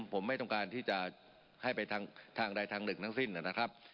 ผมไม่ต้องการที่จะให้ไปทางใดทางหนึ่งทั้งสิ้นนะครับ